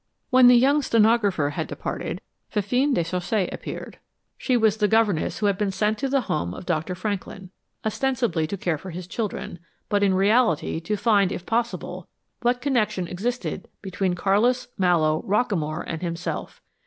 When the young stenographer had departed, Fifine Déchaussée appeared. She was the governess who had been sent to the home of Doctor Franklin, ostensibly to care for his children, but in reality to find, if possible, what connection existed between Carlis, Mallowe, Rockamore and himself.